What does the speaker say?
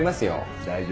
大丈夫。